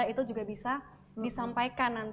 itu juga bisa disampaikan nanti